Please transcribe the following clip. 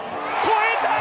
越えた！